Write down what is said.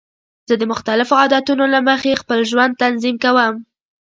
زه د مختلفو عادتونو له مخې خپل ژوند تنظیم کوم.